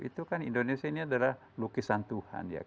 itu kan indonesia ini adalah lukisan tuhan ya